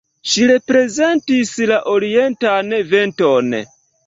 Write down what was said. Ŝi reprezentis la orientan venton.